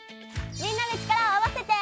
みんなで力を合わせて！